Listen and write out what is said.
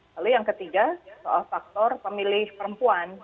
lalu yang ketiga soal faktor pemilih perempuan